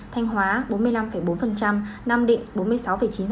thành hóa bốn mươi năm bốn đà nẵng quảng ninh đà nẵng quảng ninh đà nẵng